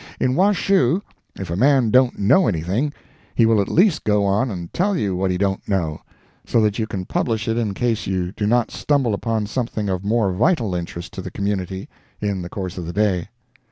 In Washoe, if a man don't know anything, he will at least go on and tell you what he don't know, so that you can publish it in case you do not stumble upon something of more vital interest to the community, in the course of the day.